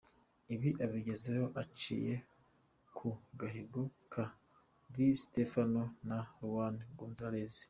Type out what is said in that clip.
Ibi abigezeho aciye ku gahigo ka Di Stéfano na Raúl Gonzalez.